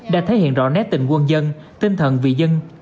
đã thể hiện rõ nét tình quân dân tinh thần vì dân